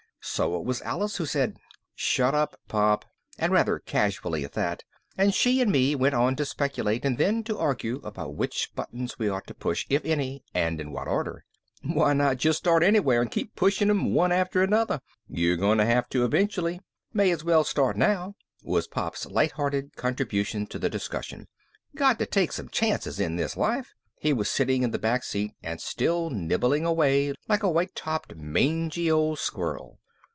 So it was Alice who said, "Shut up, Pop" and rather casually at that and she and me went on to speculate and then to argue about which buttons we ought to push, if any and in what order. "Why not just start anywhere and keep pushing 'em one after another? you're going to have to eventually, may as well start now," was Pop's light hearted contribution to the discussion. "Got to take some chances in this life." He was sitting in the back seat and still nibbling away like a white topped mangy old squirrel.